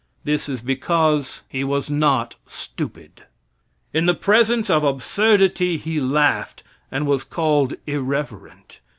This is because he was not stupid. In the presence of absurdity he laughed, and was called irreverent.